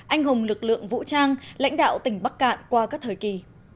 anh hùng lực lượng vũ trang lãnh đạo tỉnh bắc cạn qua các thời kỳ